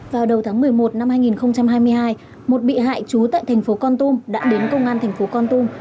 vào đầu tháng một mươi một năm hai nghìn hai mươi hai một bị hại chú tại thành phố con tùng đã đến công an thành phố con tùng